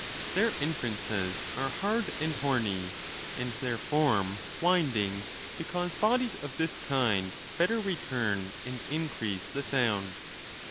Their entrances are hard and horny, and their form winding, because bodies of this kind better return and increase the sound.